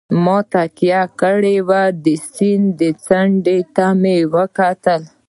مې تکیه کړې وه، د سیند څنډې ته مې وکتل.